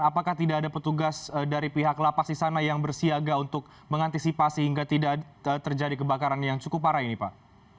apakah tidak ada petugas dari pihak lapas di sana yang bersiaga untuk mengantisipasi hingga tidak terjadi kebakaran yang cukup parah ini pak